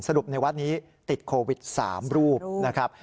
ในวัดนี้ติดโควิด๓รูปนะครับ